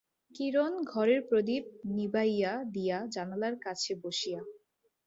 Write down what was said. কিরণ ঘরের প্রদীপ নিবাইয়া দিয়া জানলার কাছে বসিয়া।